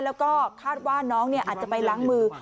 แล้วก็คาดว่าน้องอาจจะไปล้างมือ